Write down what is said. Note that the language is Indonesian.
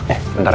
eh bentar ya